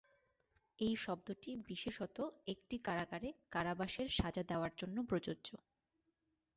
এই শব্দটি বিশেষত একটি কারাগারে কারাবাসের সাজা দেওয়ার জন্য প্রযোজ্য।